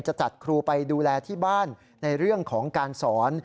จะจัดครูไปดูแลที่บ้านในเรื่องของการสอน